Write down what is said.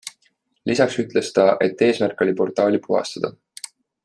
Lisaks ütles ta, et eesmärk oli portaali puhastada.